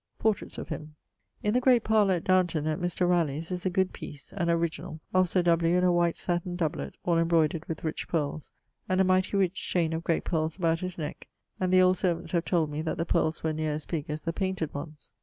<_Portraits of him._> In the great parlour at Downton, at Mr. Ralegh's, is a good piece (an originall) of Sir W. in a white sattin doublet, all embrodered with rich pearles, and a mighty rich chaine of great pearles about his neck, and the old servants have told me that the pearles were neer as big as the painted ones.